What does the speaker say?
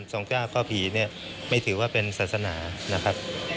ก้าวเข้าผีเนี่ยไม่ถือว่าเป็นศาสนานะครับ